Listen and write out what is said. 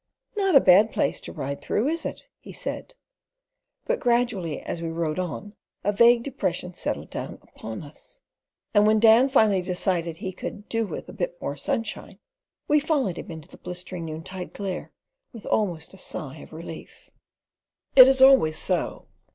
"Not a bad place to ride through, is it?" he said. But gradually as we rode on a vague depression settled down upon us, and when Dan finally decided he "could do with a bit more sunshine," we followed him into the blistering noontide glare with almost a sigh of relief. It is always so.